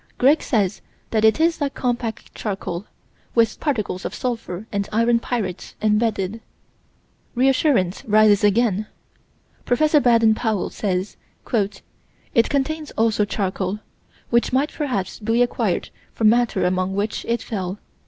Greg says that it is like compact charcoal, with particles of sulphur and iron pyrites embedded. Reassurance rises again: Prof. Baden Powell says: "It contains also charcoal, which might perhaps be acquired from matter among which it fell."